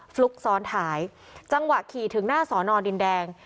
ฟลุ๊กซ้อนท้ายจังหวะขี่ถึงหน้าสอนอดินแดง